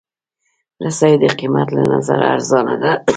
رسۍ د قېمت له نظره ارزانه ده.